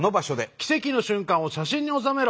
奇跡の瞬間を写真に収めろ。